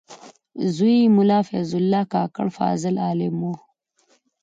زوی یې ملا فیض الله کاکړ فاضل عالم و.